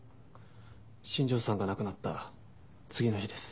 新庄さんが亡くなった次の日です。